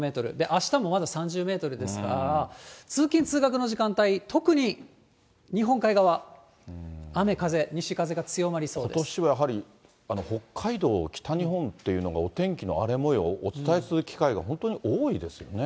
あしたもまだ３０メートルですから、通勤・通学の時間帯、特に日本海側、雨風、ことしはやはり、北海道、北日本というのがお天気の荒れもよう、お伝えする機会が本当に多いですよね。